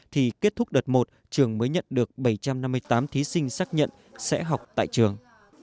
thì kết thúc đợt một trường mới nhận được bảy trăm năm mươi tám thí sinh xác nhận sẽ học tại trường